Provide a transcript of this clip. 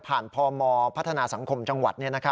พมพัฒนาสังคมจังหวัด